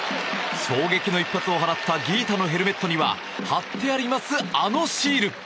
衝撃の一発を放ったギータのヘルメットには貼ってあります、あのシール。